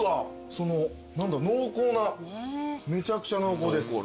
その何だ濃厚なめちゃくちゃ濃厚です。